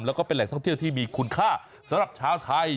แล้วก็เป็นแหล่งท่องเที่ยวที่มีคุณค่าสำหรับชาวไทย